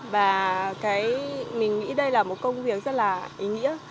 và mình nghĩ đây là một công việc rất là ý nghĩa